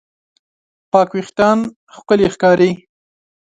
پاک وېښتيان ښکلي ښکاري.